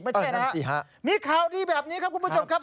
นั่นสิฮะมีข่าวดีแบบนี้ครับคุณผู้ชมครับ